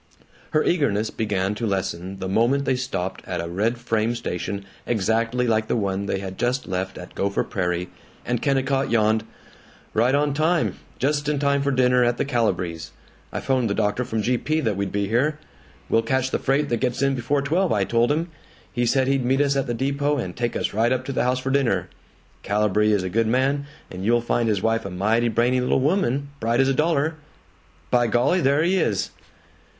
Her eagerness began to lessen the moment they stopped at a red frame station exactly like the one they had just left at Gopher Prairie, and Kennicott yawned, "Right on time. Just in time for dinner at the Calibrees'. I 'phoned the doctor from G. P. that we'd be here. 'We'll catch the freight that gets in before twelve,' I told him. He said he'd meet us at the depot and take us right up to the house for dinner. Calibree is a good man, and you'll find his wife is a mighty brainy little woman, bright as a dollar. By golly, there he is."